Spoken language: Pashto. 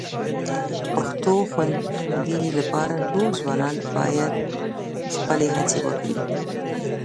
پښتو خوندي لپاره ټول ځوانان باید خپلې هڅې وکړي